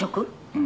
うん。